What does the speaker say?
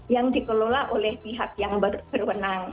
yang dikelola oleh pihak yang berwenang